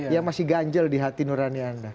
yang masih ganjel di hati nurani anda